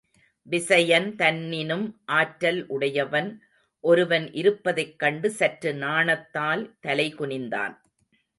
விசயன் தன்னினும் ஆற்றல் உடையவன் ஒருவன் இருப்பதைக் கண்டு சற்று நாணத்தால் தலைகுனிந்தான்.